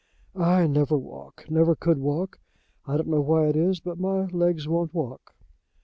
"I never walk, never could walk. I don't know why it is, but my legs won't walk."